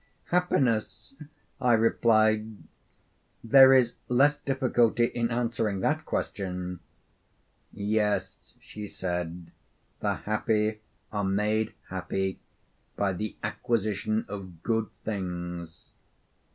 'Happiness,' I replied; 'there is less difficulty in answering that question.' 'Yes,' she said, 'the happy are made happy by the acquisition of good things.